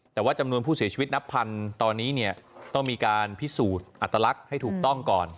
แต่ว่าจำนวนผู้เสียชีวิตนับพันตอนนี้เนี่ยต้องมีการพิสูจน์อัตลักษณ์ให้ถูกต้องก่อน